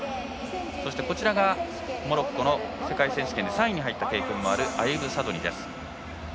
そして、モロッコの世界選手権３位に入った経験もあるアユブ・サドニです。